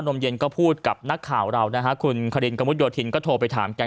มเย็นก็พูดกับนักข่าวเรานะฮะคุณคารินกระมุดโยธินก็โทรไปถามแก